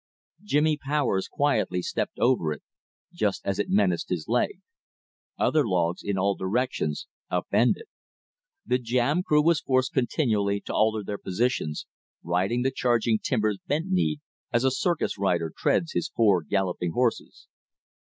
Jimmy Powers quietly stepped over it, just as it menaced his leg. Other logs in all directions up ended. The jam crew were forced continually to alter their positions, riding the changing timbers bent kneed, as a circus rider treads his four galloping horses.